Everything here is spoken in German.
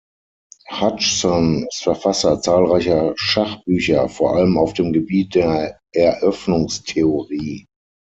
Hodgson ist Verfasser zahlreicher Schachbücher, vor allem auf dem Gebiet der Eröffnungstheorie.